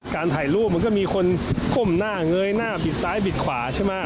ถ่ายรูปมันก็มีคนก้มหน้าเงยหน้าบิดซ้ายบิดขวาใช่ไหม